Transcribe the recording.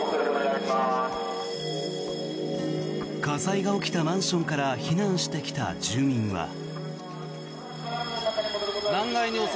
火災が起きたマンションから避難してきた住民は。